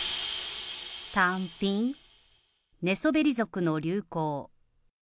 寝そべり族の流行。